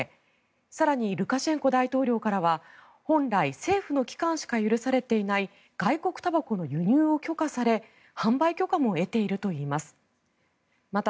更に、ルカシェンコ大統領からは本来、政府の機関しか許されていない外国たばこの輸入を許可され販売許可も得ているといいます。